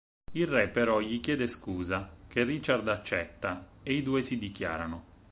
Il re però gli chiede scusa, che Richard accetta, e i due si dichiarano.